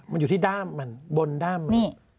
มันอยู่ที่ด้ามมันบนด้ามมัน